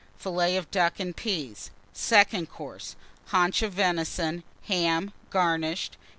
Fillets of Ducks and Peas. Second Course. Haunch of Venison. Ham, garnished.